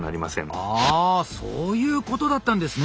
ああそういうことだったんですね。